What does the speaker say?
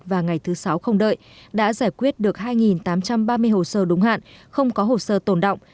và ngày thứ sáu không đợi đã giải quyết được hai tám trăm ba mươi hồ sơ đúng hạn không có hồ sơ tồn động